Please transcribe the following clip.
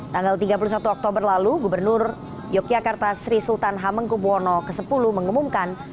tanggal tiga puluh satu oktober lalu gubernur yogyakarta sri sultan hamengkubwono x mengumumkan